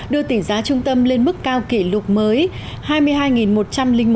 đưa tỷ giá trung tâm lên mức cao kỷ lục mới